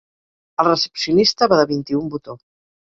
El recepcionista va de vint-i-un botó.